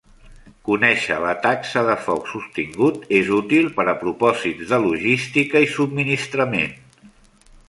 Conèixer la taxa de foc sostingut és útil per a propòsits de logística i subministrament.